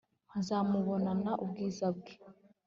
Nzamubonana ubwiza bwe